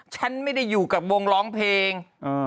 ฉันไม่ได้อยู่กับวงร้องเพลง